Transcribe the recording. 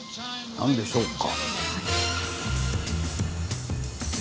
何でしょうか。